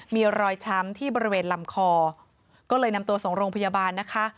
มีรอยช้ำที่บริเวณลำคอก็เลยนำตัวส่งโรงพยาบาลนะคะ